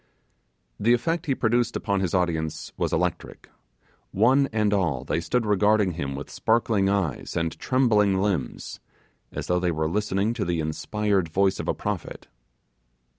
The effect he produced upon his audience was electric; one and all they stood regarding him with sparkling eyes and trembling limbs, as though they were listening to the inspired voice of a prophet.